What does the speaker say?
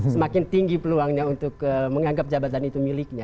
semakin tinggi peluangnya untuk menganggap jabatan itu miliknya